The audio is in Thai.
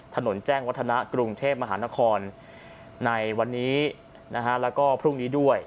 ถนนแจ้งวัฒนะกรุงเทพมหานครในวันนี้แล้วก็พรุ่งนี้ด้วย